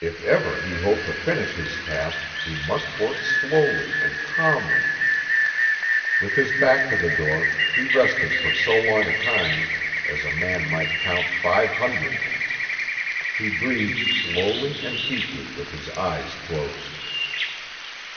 If ever he hoped to finish his task, he must work slowly and calmly. With his back to the door, he rested for so long a time as a man might count five hundred. He breathed slowly and deeply with his eyes closed.